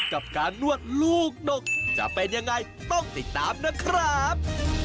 กับการนวดลูกหนกจะเป็นยังไงต้องติดตามนะครับ